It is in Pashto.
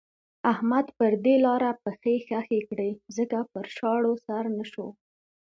احمد پر دې لاره پښې خښې کړې ځکه پر شاړو سر نه شو.